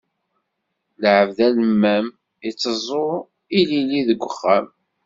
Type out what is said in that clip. Lɛebd alemmam, iteẓẓu ilili deg uxxam.